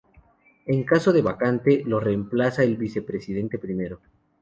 En caso de vacante, lo reemplaza el vicepresidente primero.